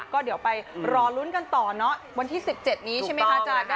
ก็เดี๋ยวไปรอลุ้นกันต่อเนอะวันที่๑๗นี้ใช่ไหมคะอาจารย์